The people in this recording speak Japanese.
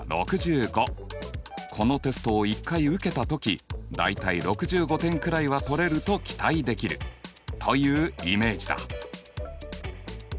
このテストを１回受けた時大体６５点くらいは取れると期待できるというイメージだ。